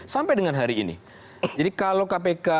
sampai dengan hari ini jadi kalau kpk